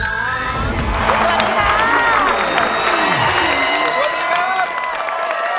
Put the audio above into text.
สวัสดีครับ